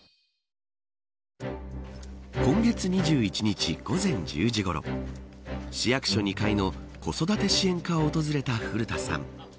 今月２１日、午前１０時ごろ市役所２階の、子育て支援課を訪れた古田さん。